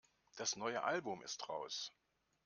Das neue Album ist raus.